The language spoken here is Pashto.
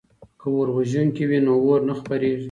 که اوروژونکي وي نو اور نه خپریږي.